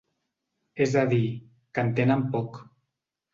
És a dir, que en tenen poc.